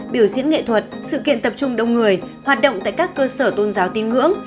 biểu diễn nghệ thuật sự kiện tập trung đông người hoạt động tại các cơ sở tôn giáo tin ngưỡng